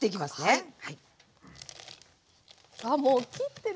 はい。